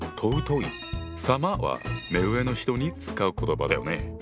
「様」は目上の人に使う言葉だよね。